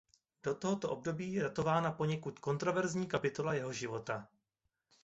Do tohoto období je datována poněkud kontroverzní kapitola jeho života.